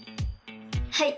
はい！